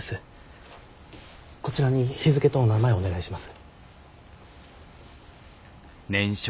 こちらに日付とお名前をお願いします。